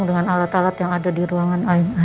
dan harus segera dibawa ke nisu